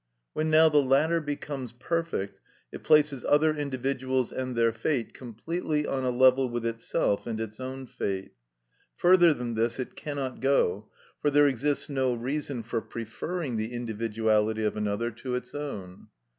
When now the latter becomes perfect, it places other individuals and their fate completely on a level with itself and its own fate. Further than this it cannot go, for there exists no reason for preferring the individuality of another to its own.